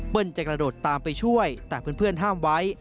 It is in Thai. จะกระโดดตามไปช่วยแต่เพื่อนห้ามไว้